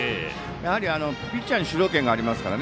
やはり、ピッチャーに主導権がありますから。